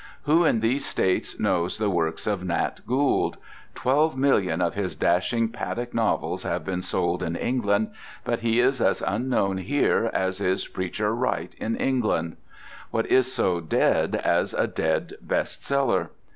Who in these States knows the works of Nat Gould? Twelve million of his dashing paddock novels have been sold in England, but he is as unknown here as is Preacher Wright in England. What is so dead as a dead best seller?